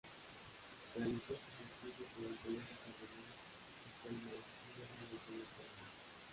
Realizó sus estudios en el Colegio Cardenal Spellman y luego en el Colegio Alemán.